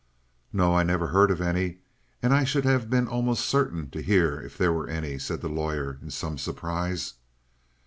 "No, I never heard of any, and I should have been almost certain to hear if there were any," said the lawyer in some surprise.